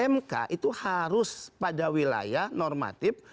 mk itu harus pada wilayah normatif